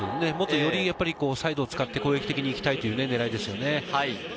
よりサイドを使って攻撃的に行きたいというねらいですね。